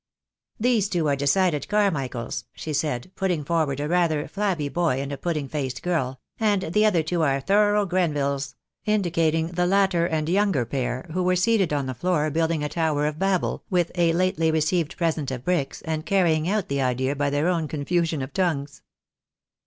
"These two are decided Carmichaels," she said, put ting forward a rather flabby boy and a pudding faced girl, "and the other two are thorough Grenvilles," in dicating the latter and younger pair, who were seated on the floor building a Tower of Babel with a lately re ceived present of bricks, and carrying out the idea by their own confusion of tongues.